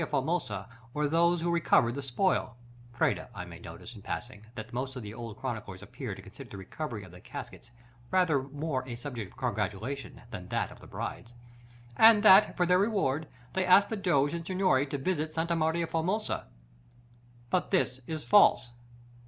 Formosa were those who recovered the spoil ("predra;" I may notice, in passing, that most of the old chroniclers appear to consider the recovery of the caskets rather more a subject of congratulation than that of the brides), and that, for their reward, they asked the Doge and Signory to visit Sta. M. Formosa; but this is false.